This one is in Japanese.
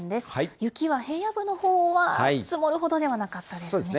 雪は平野部のほうは積もるほどでそうですね。